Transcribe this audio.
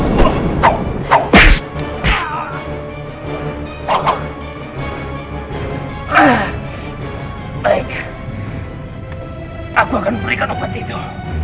baik aku akan berikan obat itu